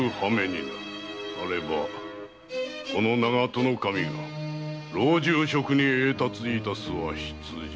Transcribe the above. さればこの長門守が老中職に栄達いたすは必定。